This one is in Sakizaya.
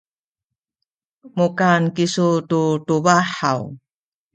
mukan kisu tu tubah haw?